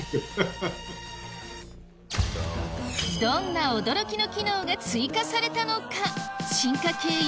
どんな驚きの機能が追加されたのか⁉進化系